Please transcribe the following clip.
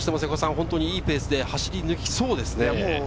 本当にいいペースで走り抜きそうですね。